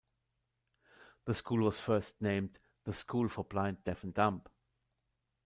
The school was first named The School for the Blind, Deaf and Dumb.